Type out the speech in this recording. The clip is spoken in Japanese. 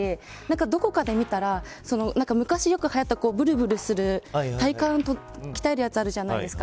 どこかで見たら昔よくはやった、ぶるぶるする体幹を鍛えるやつあるじゃないですか。